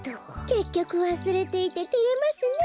けっきょくわすれていててれますねえ。